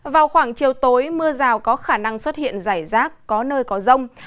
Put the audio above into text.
vào khoảng chiều tối mưa rào có khả năng xuất hiện rải rác có nơi có rông